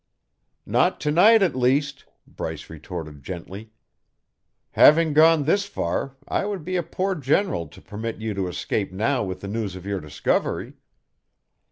"Not to night, at least," Bryce retorted gently. "Having gone this far, I would be a poor general to permit you to escape now with the news of your discovery.